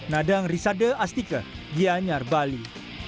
nadang risade astike gianyar bali